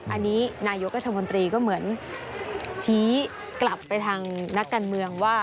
อันนี้นายกรัฐมนตรีก็เหมือนชี้กลับไปทางนักการเมืองว่า